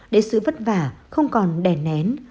để sự vất vả không còn đè nén